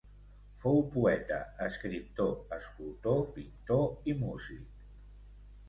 Fou poeta, escriptor, escultor, pintor i músic.